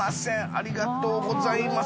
ありがとうございます。